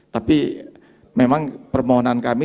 tapi memang permohonan kami